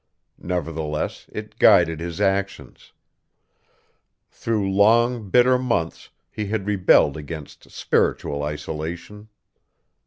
Nevertheless it guided his actions. Through long, bitter months he had rebelled against spiritual isolation.